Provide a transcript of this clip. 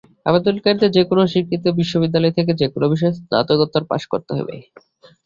আবেদনকারীদের যেকোনো স্বীকৃত বিশ্ববিদ্যালয় থেকে যেকোনো বিষয়ে স্নাতকোত্তর পাস হতে হবে।